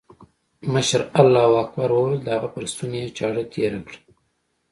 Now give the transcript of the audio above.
مشر الله اکبر وويل د هغه پر ستوني يې چاړه تېره کړه.